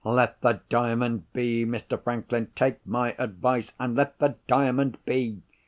"Let the Diamond be, Mr. Franklin! Take my advice, and let the Diamond be!